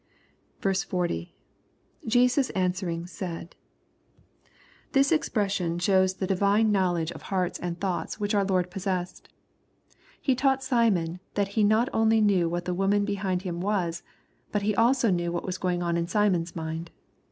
— [Jesus answering said,] This expression shows the divino 11 242 EXPOSITOBT THOUaHTS, knowledge of hearts and thoughts which our Lord possessed. He taught Smion that He not only knew who the woman behind Him wasy but that He also knew what was going on in Simon's mind.